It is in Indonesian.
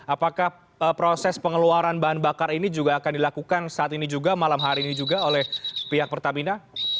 apakah proses pengeluaran bahan bakar ini juga akan dilakukan saat ini juga malam hari ini juga oleh pihak pertamina